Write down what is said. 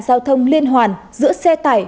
giao thông liên hoàn giữa xe tải